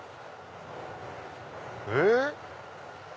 えっ？